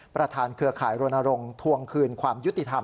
ประธานเครือข่ายโรนานลงถวงคืนความยุติธรรม